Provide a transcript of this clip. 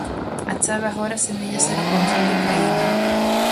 A chave agora semella ser o control de Ucraína.